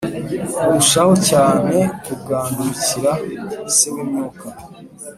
kurushaho cyane kugandukira Se w imyuka